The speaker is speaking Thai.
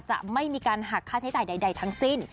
จะไม่มีการหักค่าใช้จ่ายใดทั้งสิ้น